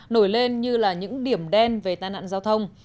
nổi lên như là những điểm đen về tai nạn giao thông